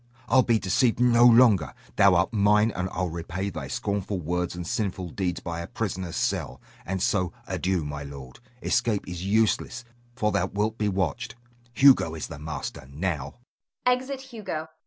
I'll be deceived no longer. Thou art mine, and I'll repay thy scornful words and sinful deeds by a prisoner's cell. And so, adieu, my lord. Escape is useless, for thou wilt be watched. Hugo is the master now!